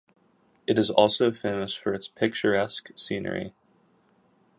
It is also famous for its picturesque scenery.